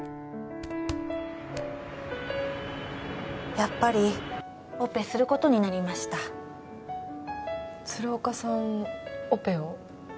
やっぱりオペすることになりました鶴岡さんオペを？